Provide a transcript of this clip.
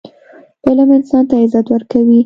علم انسان ته عزت ورکوي.